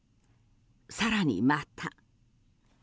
更に、また。